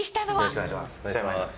よろしくお願いします。